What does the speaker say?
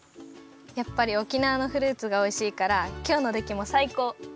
やっぱり沖縄のフルーツがおいしいからきょうのできもさいこう！